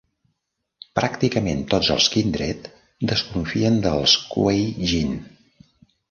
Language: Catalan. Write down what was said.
Pràcticament tots els Kindred desconfien dels Kuei-jin.